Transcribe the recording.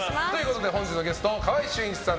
本日のゲスト、川合俊一さん